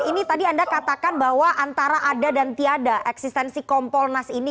ini tadi anda katakan bahwa antara ada dan tiada eksistensi kompolnas ini